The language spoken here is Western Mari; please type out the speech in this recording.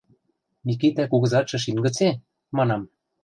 – «Микитӓ кугызатшы шин гыце?» – манам.